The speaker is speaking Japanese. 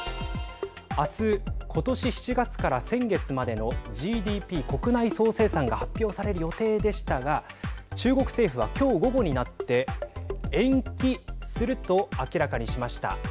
明日今年７月から先月までのＧＤＰ＝国内総生産が発表される予定でしたが中国政府は、今日午後になって延期すると明らかにしました。